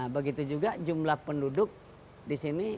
begitu juga jumlah penduduk di sini